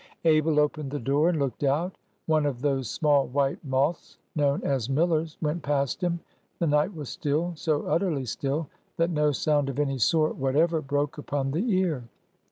Abel opened the door, and looked out. One of those small white moths known as "millers" went past him. The night was still,—so utterly still that no sound of any sort whatever broke upon the ear.